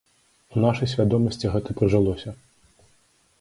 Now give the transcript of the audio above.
У нашай свядомасці гэта прыжылося.